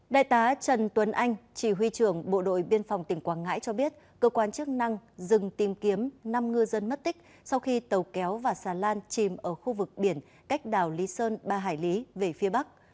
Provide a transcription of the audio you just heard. đại tá trần tuấn anh chỉ huy trưởng bộ đội biên phòng tỉnh quảng ngãi cho biết cơ quan chức năng dừng tìm kiếm năm ngư dân mất tích sau khi tàu kéo và xà lan chìm ở khu vực biển cách đảo lý sơn ba hải lý về phía bắc